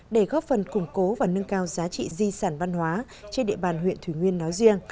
để góp phần củng cố và nâng cao giá trị di sản văn hóa trên địa bàn huyện thủy nguyên nói riêng